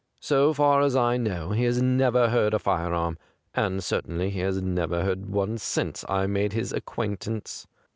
So far as I know he has never heard a firearm, and certainly he has never heard one since I made his acquaint ance.